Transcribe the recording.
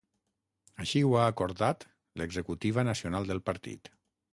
Així ho ha acordat l’executiva nacional del partit.